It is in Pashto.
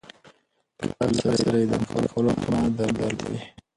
که په لاس سره ئې د منعه کولو توان نه درلودي